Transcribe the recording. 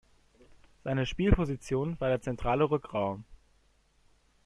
Seine Spielposition war der zentrale Rückraum.